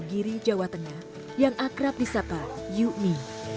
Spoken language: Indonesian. pemilik jawa tengah yang akrab disapa yu mi